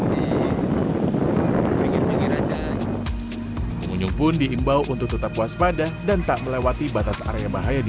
pengunjung pun diimbau untuk tetap puas badan dan tak melewati batas area bahaya di